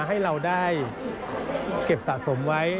ให้เราได้เก็บสะสมไว้